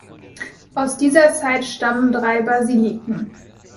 Aus dieser Zeit stammen drei Basiliken.